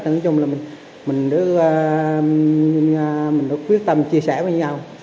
nói chung là mình đã quyết tâm chia sẻ với nhau